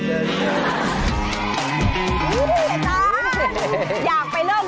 อยากไปเริ่มขั้นตอนแรกแล้วหยาบนิด